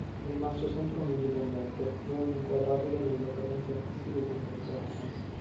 È rimasto sempre un indipendente, non inquadrabile nelle correnti artistiche contemporanee.